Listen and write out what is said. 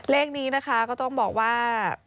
เลขนี้นะคะก็ต้องบอกว่า